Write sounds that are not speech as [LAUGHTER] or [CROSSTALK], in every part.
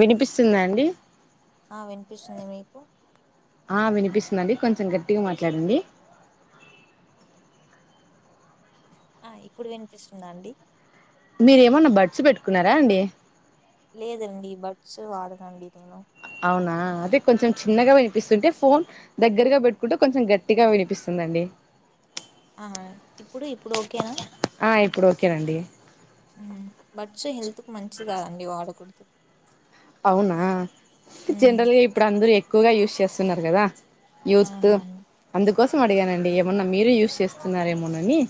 వినిపిస్తుందా అండి ఆ వినిపిస్తుంది మీకు ఆ వినిపిస్తుందండి కొంచెం గట్టిగ మాట్లాడండి ఆ ఇప్పుడు వినిపిస్తుందండి మీరేమన్న బడ్స్ పెట్టుకున్నారా అండి లేదండి బడ్స్ వాడనండి నేను అవునా అదే కొంచెం చిన్నగ వినిపిస్తుంటే ఫోన్ దగ్గరగా పెట్టుకుంటే కొంచెం గట్టిగా వినిపిస్తుందండి ఆ ఇప్పుడు ఇప్పుడు ఓకేనా ఆ ఇప్పుడు ఓకేనండి బట్స్ హెల్త్ కు మంచిది కాదండి వాడకూడదు అవునా ఉమ్ జనరల్గా ఇప్పుడు అందరుూ ఎక్కువగా యూస్్ చేస్తున్నారు కదా యూత్ అవునవును అందుకోసం అడిగానండి ఏమన్నా మీరే యూస్్ చేస్తున్నార ఏమనని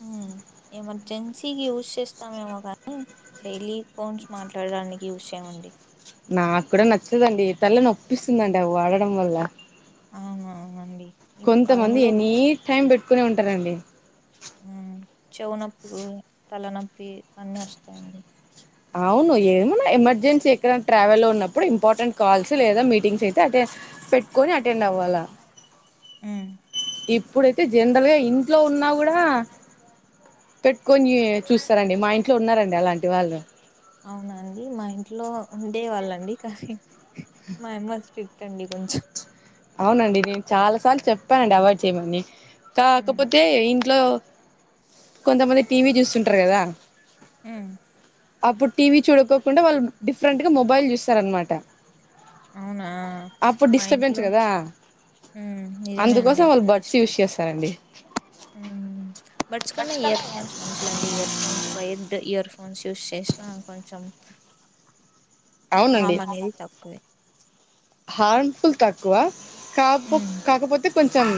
హ ఎమర్జెన్సీకి యూజ చేస్తామేమో కానీ డైలీ ఫోన్స్ మాట్లాడడానికి యూసేయండి నాకు కూడా నచ్చదండి తల్ల నొప్పిస్తుందండి అవి వాడడం వల్ల అవున అవునండి ఇప్పుడు కొంతమంది కాలంలో ఎనీ టైం పెట్టుకునే ఉంటారంండి ఉమ్ చెవు నొప్పి తలనొప్పి అన్నీ వస్తాయండి అవును ఏమనా ఎమర్జెన్సీ ఎక్కడ ట్రావెల్ ఉన్నప్పుడు ఇంపార్టెంట్ కాల్స్ లేదా మీటింగ్స్ అయితే అే పెట్టుకొని అటెండ్ అవ్వాలా ఆ ఇప్పుడైతే జనరల్ గా ఇంట్లో ఉన్నా కూడా పెట్టుకొని చూస్తారంండి మా ఇంట్లో ఉన్నారండి అలాంటి వాళ్ళు అవునండి మా ఇంట్లో ఉండే వాళ్ళండి కానీ మా అమ్మ స్ట్రి చడిగుంజ్ అవునండి నేను చాలా సార్లు చెప్పానండి అవాయిడ్ చేయమని హ్మ్ కాకపోతే ఇ ఇంట్లో కొంతమంది టీవీ చూస్తుంటారు కదా ఉమ్మ్ అప్పుడు టీవీ చూడుకోకుండా వాళ్ళు డిఫరెంట్ గా మొబైల్ చూస్తార అనమాట అవునా మా ఇంట్లో కదా నిజమే అండి అందుకోసం వాళ్ళు అప్పుడు బడ్స్ యూజ్ డిస్పెన్స్ చేస్తారండి బట్చ్ కన్నా ఇయర్ ఫోన్స్ మంచిదండి earphones wire earphones use చేసినా కొంచం అవునండి హామ్ అనేది తక్కువే హార్మ్ఫుల్ తాకువ కాపో హ్మ్ కాకపోతే కొంచెం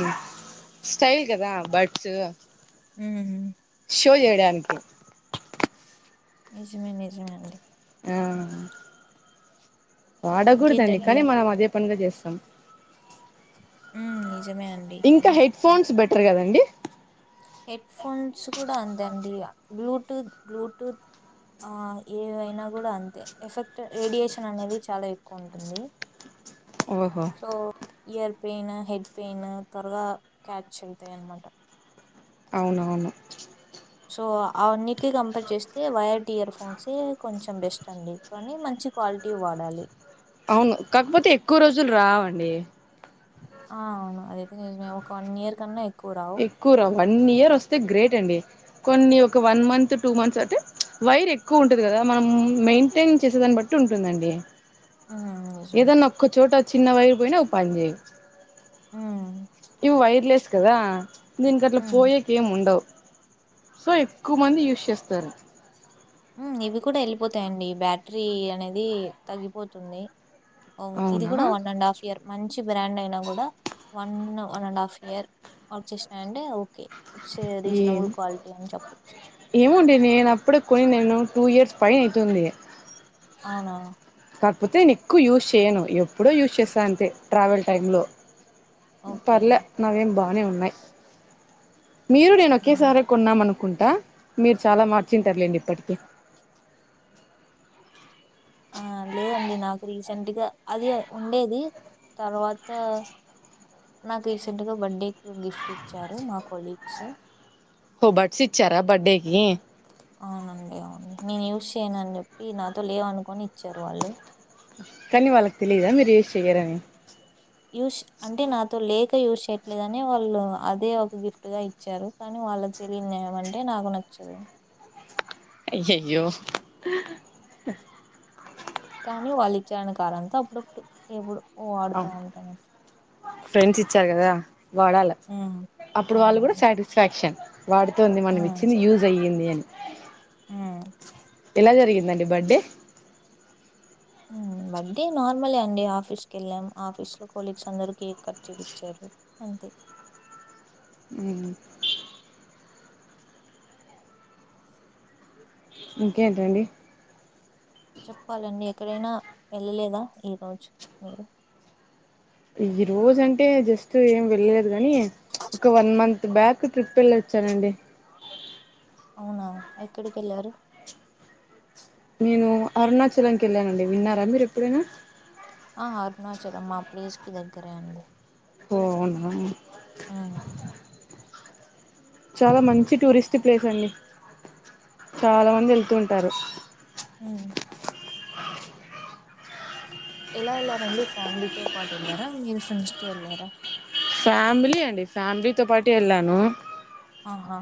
స్టైల్ కదా బర్డ్స్ హ షో చేయడానికి నిజమే నిజమే అండి హా వాడకూడదండి ఇంకేంటండి కానీ మనం అదే పనుగ చేస్తాం నిజమే అండి ఇంకా కానీ హెడ్ ఫోన్స్ అంతే బెటర్ కదండి హెడ్ ఫోన్స్ కూడా ఉందండి బ్లూటూత్ బ్లూటూత్ ఆ ఏవైనా కూడా అంతే ఎఫెక్ట్ రేడియేషన్ అనేది చాలా ఎక్కువ ఉంటుంది ఓహో so ear pain head pain త్వరగా క్యాచ్ అవుతాయి అన్నమాట అవునవును సో అన్నిటిక కంపేర్ చేస్తే వైయర్డ్ ఇయర్ ఫోన్సే కొంచెం బెస్ట్ అండి కానీ మంచి క్వాలిటీ వాడాలి అవును కాకపోతే ఎక్కువ రోజులు రావండి ఆవును అదే ఒక వన్ ఇయర్ కన్నా ఎక్కువ రావు. ఎక్కువరా వన్ ఇయర్ వస్తే గ్రేట్ అండి కొన్ని ఒక వన్ మంత్ టూ మంత్స్ అంటే వైర్ ఎక్కువ ఉంటంది కదా మనం మెయింటైన్ చేసే బట్టి ఉంటుందండి హ్మ్. నిజమే. ఏదన్నా ఒక్కచోట చిన్న వైర్ పోయినా పని చేయి హ్మ్ వైర్లెస్ కదా దీనికిక అట్లా హ్మ్. పోయక ఏం ఉండవు సో ఎక్కువ మంది యూస్ చేస్తారు ఇవి కూడ వెళ్ళిపోతాయండి బ్యాటరీ అనేది తగ్గిపోతుంది వు ఇది అవునా కూడ వన్ అండ్ హఫ్ ఇయర్ మంచి బ్రాండ్ అయినా కూడ one one and half year work చేసినంటే ఏం చెప్పచ్చు ఏముండే నేను అప్పుడే కొని నేను టూ ఇయర్స్ పై [UNINTELLIGIBLE] అవునా కాకపోతే నేను ఎక్కువ యూజ్ చేయను ఎప్పుడో యూజ్ చేస్త అంతే ట్రావెల్ టైంలో ఓకే పర్లే ఓకే నవ్వేం బానే ఉన్నాయి మీరు నేను ఉమ్. ఒకేసారే కొన్నామను కుంటా మీరు చాల మార్చింటారులేండి ఇప్పటికే ఆ లేదండి నాకు రీసెంట్గా అది ఉండేది తర్వాత నాకు రీసెంట్గ బర్త్డేకి గిఫ్ట్ ఇచ్చారు మా కొలీగ్స్ హో బడ్సి ఇచ్చార బడ్డేకి అవునండి అవునుడి నేను యూస్ చేయను అని చెప్పి నాతో లేవనుకోని ఇచ్చారు వాళ్ళు కానీ వాళ్ళకి తెలీయద మీరు యూస్ చెయ్యారని యూస్ అంటే నాతో లేక యూస్ చేయట్లేదని వాళ్ళు అదే ఒక గిఫ్ట్ గా ఇచ్చారు కానీ వాళ్ళ తెలియంనిది ఏమంటే నాకు నచ్చదు అయ్యాయో కానీ వాళ్ళు ఇచ్చానా [UNINTELLIGIBLE] అప్పుడప్పుడు ఎప్పుడు వాడుతా ఉంటాన ఫ్రెండ్స్ ఇచ్చారు కదా వాడాల ఉమ్ అప్పుడు వాళ్ళు కూడ అవునవును సాటిస్ఫాక్షన్ వాడుతోంది మనం ఇచ్చింది యూజ్ అయ్యింది అని ఆ ఎలా జరిగిందండి బడె బర్డే నార్మలే అండి ఆఫీస్ కెళ్ళాం ఆఫీస్ లో కొలీగ్స్ అందరు కేక్ కట్ చెప్పిచారు అంతే హు ఇంకేంటండి చెప్పాలండి ఎక్కడైనా వెళ్ళలేదా ఈరోజు మీరు ఈ రోజ అంటే జస్ట్ ఏం వెళ్ళలేదు కానీ ఒక వన్ మం బ్యాక్ ట్రిప్ కెళ్ళొచ్చానండి అవునా ఎక్కడికెళ్ళారు నేను అరుణాచలంకి వెళ్ళానండి విన్నారా మీరు ఎప్పుడైనా ఆ అరుణచలం మా ప్లేస్ కి దగ్గరే అండి ఒ అవునా ఆ చాల మంచి టూరిస్ట్ ప్లేస్ అండి చాల మంది వెళ్తుూ ఉంటారు హు అ ఎలా వెళ్లారండి ఫ్యామిలీతో పాటు వెళ్ళార మీరు ఫ్రెండ్స్ తో వెళ్లార ఫ్యామిలీ అండి ఫ్యామిలీతో పాటు వెళ్ళాను ఆహా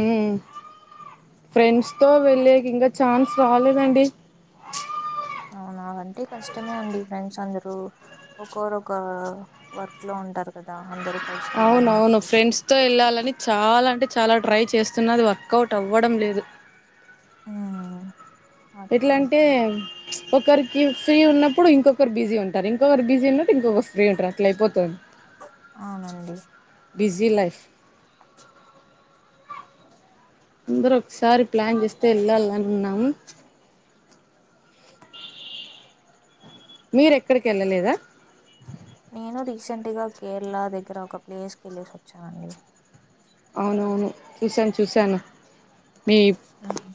ఏ ఫ్రెండ్స్ తో వెళ్లేకి ఇంగ ఛాన్స్ రాలేదండి అవునా అంటే కష్టమే అండి ఫ్రెండ్స్ అందరు ఒకరొకరు వర్క్ లో ఉంటారు కద అందరు అవున అవును ఫ్రెండ్స్ తో వెళ్ళాలని చాల అంటే చాల ట్రై చేస్తున్నది వర్కౌట్ అవ్వడం లేదు ఆ ఎట్లంటే ఒకరికి ఫ్రీ ఉన్నప్పుడు ఇంకొకరు బిజీ ఉంటరు, ఇంకొకరు బిజీ ఉన్నప్డు ఇంకొకరు ఫ్రీ ఉంటరు అట్లయిపోతుంద్ అవునండి బిజీ లైఫ్ అందరొక్సారి ప్లాన్ చేస్తే ఎళ్ళాలనున్నాము మీరెక్కడికెళ్ళలేదా నేను రీసెంట్గా కేరలా దగ్గర ఒక ప్లేస్కి ఎల్లెసోచ్చానండి అవునవును కిసన్ చూశాను మీప్ ఉమ్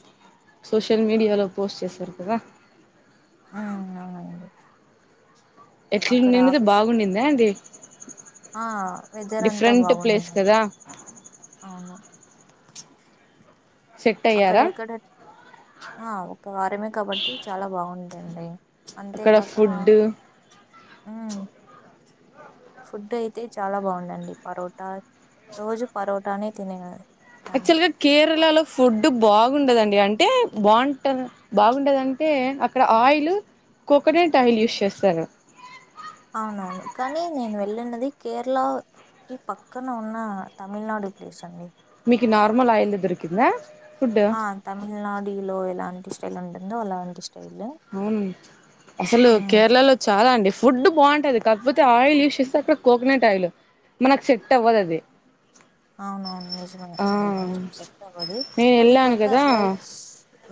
సోషల్ మీడియాలో పోస్ట్ చేసారు కదా ఆ అవునండి అక్కడ ఎట్లుండింది, ఆఫీస్ బాగుండిందా అండి ఆ వెదర్ అంతా డిఫరెంట్ ప్లేస్ బాగున్దిండండి కదా అవును సెట్ అక్కడ అయ్యారా ఎక్కడ ఆ ఒక్క వారమే కాబట్టి చాలా బాగుంటింది అక్కడ అంతేగాక ఫుడ్ ఫుడ్ అయితే చాలా బాగుందండి పరోటా, రోజు పరోటానే తినేదా ఆక్చువల్ గ కేరళ లో ఫుడ్ బాగ్ బాగుండదండి అంటే బాగుంటం బాగుండదంటే అక్కడ ఆయిల్ కోకనట్ ఆయిల్ యూస్ చేస్తారు అవునవును కనీ నేను వెళ్ళున్నది కేరళ కి పక్కన ఉన్నా తమిళనాడు ప్లేస్ అండి. కి నార్మల్ ఆయిలే దొరికిందా ఫుడ్ ఆ తమిళనాడులో ఎలాంటి స్టైల్ ఉంటుందో అలాం అవును అసలు ఉమ్ కేరళలో చాలా అండి ఫుడ్ బావున్ టది కాకపోతే ఆయిల్ యూస్ చేసాక కోకనట్ ఆయిల్, మనకు సెట్ అవ్వదది. అవునవును నిజమే అది కొంచం సెట్ అవ్వదు, నేను అది వెళ్ళాను కాక కదా రైస్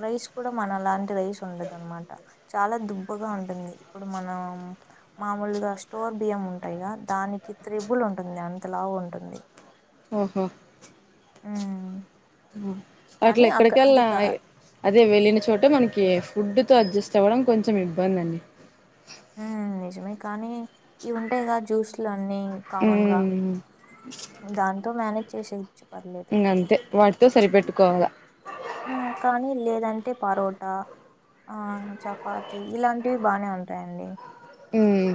రైస్ కూడా మనలాంటి రైస్ ఉండద నమాట, చాలా దుబ్బగా ఉంటుంది ఇప్పుడు మనం మామూలుగా స్టోర్ బియ్యం ఉంటాయిగా దానికి త్రిబుల్ ఉంటుంది అంత లావు ఉంటుంది. ఉమ్ హు ఉమ్ కానీ అక్క అది అట్లెక్కడికెల్నా కా ఆ అదే వెళ్ళిన చోట మనకి ఫుడ్ కడ్జస్ట్ అవ్వడం కొంచెం ఇబ్బంది అండి ఉమ్ నిజమే కానీ ఇవుంటాయిగా జ్యూస్ లన్ ఉమ్ దాంతో మేనేజ్ చేసేయోచ్చు పర్లేదు ఇంగ అంతే వాటితో సరిపెట్టుకోవాల కానీ లేదంట్ అంటే పరోటా ఆ చపాతి ఇలాంటివి బానే ఉంటాయండి ఉమ్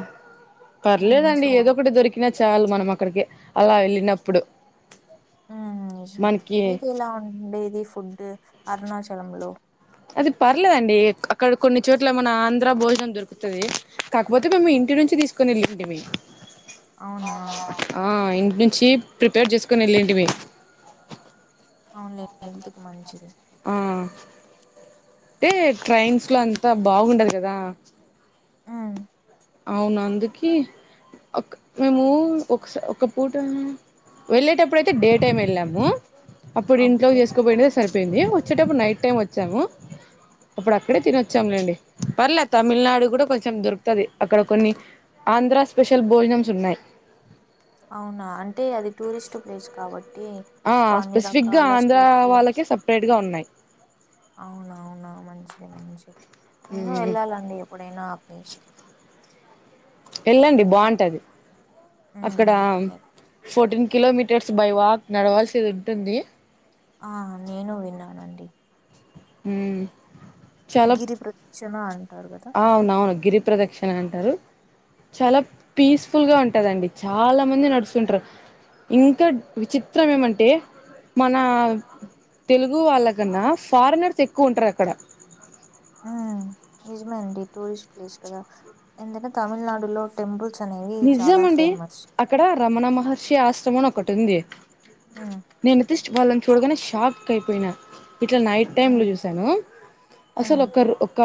ఉమ్ పర్లేదండి సో ఏదోకటి దొరికినా చాలు మనమక్కడికి అలా ఎళ్ళినప్పుడు ఉమ్ హ్మ్ నిజమే మీకు ఎలా ఉండేది ఫుడ్ అరుణాచలం లో? అది పర్లేదండి క అక్కడ కొన్ని చోట్ల మన ఆంధ్ర భోజనం దొరుకుతది, కాకపోతే మేము ఇన్ ఇంటి నుంచి తీసుకొని ఏళ్ళుంటిమి అవునా నుంచి ప్రిపేర్ జేసుకుని ఎల్లింటిమి అవున్లె హెల్త్ కు మంచిది ఉమ్ టే ట్రైన్స్ లో అంతా బావుండదు గదా ఉమ్ అవునందుకే ఒక్ మేము ఒకస ఒక పూట వెళ్ళేటప్పుడయితే డే టైమ్ వెళ్ళాము, అప్పుడు ఇంట్లో ఓకే చేసుకోపోయినయి సరిపేయింది వచ్చేటప్పుడు నైట్ టైం ఒచ్చాము అప్పుడక్కడే తినొచ్చాములేండి పర్లే తమిళనాడు గుడ కొంచెం దొరుకుతది అక్కడ కొన్ని ఆంధ్రా స్పెషల్ భోజనమ్స్ ఉన్నాయి అవునా అంటే అది టూరిస్ట్ ప్లేస్ కాబట్ ఆ స్పెసిఫిక్ గా ఆంధ్ర లో వాళ్ళకే సపరేట్ గా ఉన్నాయి అవునవునా మంచిది మంచిది నేను మ్ వెళ్ళాలండి ఎప్పుడైనా ఇష్ కి ఎళ్ళండి బాగుంటది ఉమ్ అక్కడ ఫోర్టీన్ కిలోమీటర్స్ బై వాక్ నడవాల్సింది ఉంటుంది ఆ నేను విన్నానండి ఉ గిరిప్రదక్షన అన్ అవునవును గిరిప్రదక్షిణ అంటారు చాలా పీస్ ఫుల్ గా ఉంటదండి చాలా మంది నడుస్తుంటారు ఇంకా విచిత్రం ఏమంటే మన తెలుగు వాళ్ళ కన్నా ఫార్నర్స్ ఎక్కువ ఉంటారు అక్కడ ఉ నిజమే అండి టూరిస్ట్ ప్లేస్ కదా ఏందిఅంటే తమిళనాడులో టెంపుల్స్ అనేవి చాలా నిజమండి ఫేమస్ అక్కడ రమణ మహర్షి ఆశ్రమం అను ఒకటి ఉంది ఉమ్ నేను తీస్ట్ వాళ్ళని చూడగానే షాక్ అయిపోయినా ఇట్లా నైట్ టైమ్ లో ఉమ్ చూసాను అసలు ఉమ్ ఒకరు ఒక్క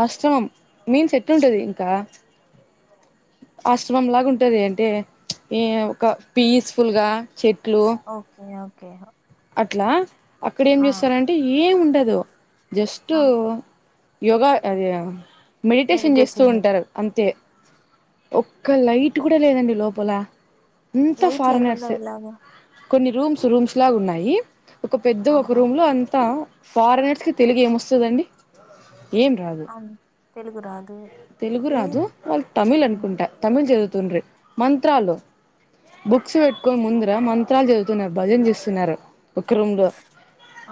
ఆశ్రమం మీల్స్ ఎట్ల ఉంటది ఇంకా ఆశ్రమంలాగా ఉంటది ఎంటె ఏ ఒక పీస్ ఫుల్ గా చెట్లు ఓకే ఓకే అట్లా అక్కడ ఏం ఆ చేస్తారంటే ఏం ఉండదు జస్ట్ ఆ యోగా అది మెడిటేషన్ చేస్తూ ఉంటారు అంతే ఒక్క లైట్ కూడా లేదండి లోపల ఇంత లైట్ ఫారనర్స్ లేకుండా ఎలాగా కొన్ని రూమ్స్ రూమ్స్ లాగా ఉన్నాయి ఒక పెద్ద ఒక ఆహా రూమ్ లో అంతా ఫారిగ్నర్స్ కి తెలుగు ఏమోస్తది అండి ఏం రాదు అవును తెలుగు రాదు తెలుగు ఏది రాదు వాళ్ళు తమిళ్ ఉమ్ అనుకుంట తమిళ్ చదువు తుండ్రె మంత్రాలు బుక్స్ వెట్టుకోనీ ముంద్ర మంత్రాలు చదువుతున్నారు భజన చేస్తున్నారు ఒక రూమ్ లో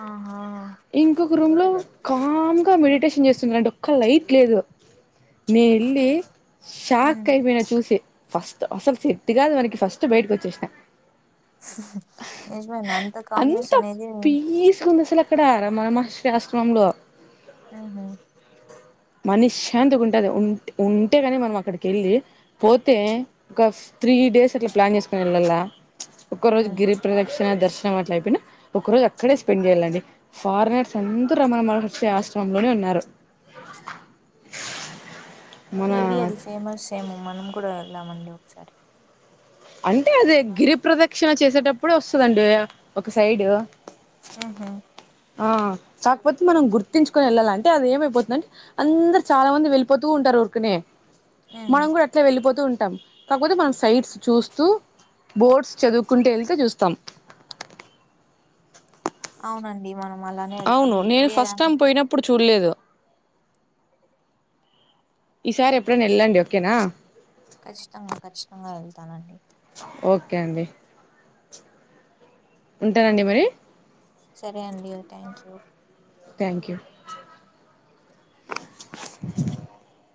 ఆహా ఇంకొక రూమ్ లో కామ్గా మెడిటేషన్ చేస్తుంనాడు ఒక్క లైట్ లేదు నే ఏళ్లి ఉమ్ షాక్ అయిపోయినా చూసి ఫస్ట్ అసలు సేట్ కాదు మనకి ఫస్ట్ బయటకి వచ్చేసిన నిజమేనా అంత కాంబినేషన్ అనేది పీస్గా ఉంది అసలు అక్కడ రమణ మహర్షి ఆశ్రమంలో ఉ హు మనిశాంతి గ ఉంటది ఉంటే ఉంటేగాని మనం అక్కడికి వెళ్ళి పోతే ఒకసు త్రీ డేస్ అట్లా ప్లాన్ చేసుకోని వెళ్ళాల ఒక్కరోజు ఉమ్ గిరిప్రదక్షి నా దర్శనం అట్లా అయిపోయినా ఒక రోజు అక్కడే స్పెండ్ చేయాలండి ఫారనర్స్ అందరు అమన మచ్చి ఆశ్రమ మంగానే ఉన్నారు మేబీ మన అది ఫేమస్ ఏమో మనం కూడా వెళ్దామండి ఒకసారి అంటే అదే గిరి ప్రదక్షిణ చేసేటప్పుడు వస్తదండి ఒక సైడు ఆహా ఆ కాకపోతే మనం గుర్తించుకొని వెళ్ళాలి అంటే అది ఏమైపోతుంది అని అందరు చాలా మంది వెళ్ళిపోతూ ఉం తారు ఊరు కనే ఉహు మనం కూడా అట్లా వెళ్ళిపోతూ ఉంటాం కాకపోతే మనం సైట్స్ చూసు స్తు బోర్డ్స్ చదువుకుంటూ వెళ్తే చూస్తాం అవునండి మనం అలానే వెళ్తాం లేదు అన్ చూడులేెదు ఈసారి ఎప్పుడైనా వెళ్ళండి ఓకేనా ఖచ్చితంగా ఖచ్చితంగా వెళ్తానండి ఓకే అండి ఉంటానండి ఓకే మరి సరే అండి థ్యాంక్ యూ థ్యాంక్ యూ